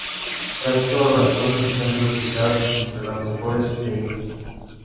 Casi todas las escuelas están clasificadas entre las mejores en India.